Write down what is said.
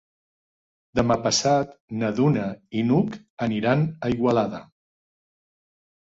Demà passat na Duna i n'Hug aniran a Igualada.